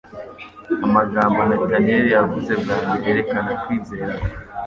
Amagambo Natanaeli yavuze bwa mbere yerekana kwizera kwe,